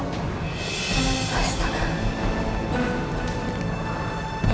karangan kiki mbak